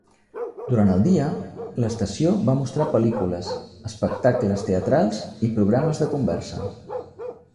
Durant el dia, l'estació va mostrar pel·lícules, espectacles teatrals i programes de conversa.